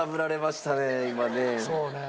そうね。